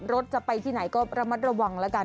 รถจะไปที่ไหนข้อมูลก็ระมัดระวังละกัน